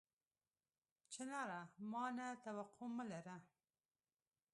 چناره! ما نه توقع مه لره